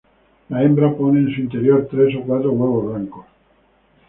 La hembra pone en su interior tres o cuatro huevos blancos.